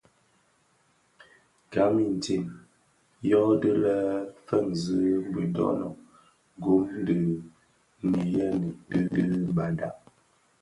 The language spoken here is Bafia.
Gam intsem yödhi lè yo fènzi bidönög gom di niyeñi di badag.